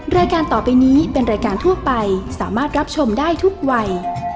รายการต่อไปนี้เป็นรายการทั่วไปสามารถรับชมได้ทุกวัย